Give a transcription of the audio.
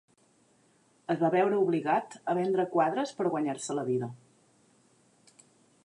Es va veure obligat a vendre quadres per guanyar-se la vida.